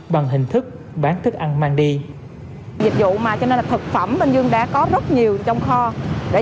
bằng hình thức bán thức ăn mang đi